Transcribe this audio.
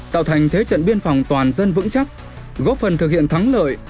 tạo thành thế trận biên phòng toàn dân vững chắc góp phần thực hiện thắng lợi